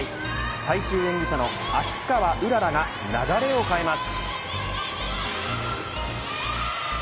最終演技者の芦川うららが流れを変えます。